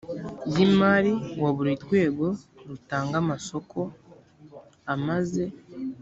y imali wa buri rwego rutanga amasoko amaze